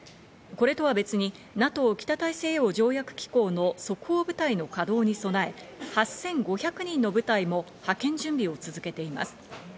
これとは別にＮＡＴＯ＝北大西洋条約機構の即応部隊の稼動に備え、８５００人の部隊も派遣準備を続けています。